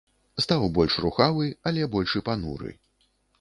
Стаў больш рухавы, але больш і пануры.